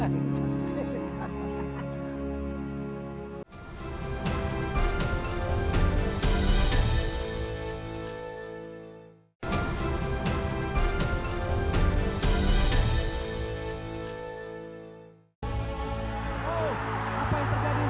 apa yang terjadi para penonton saat itu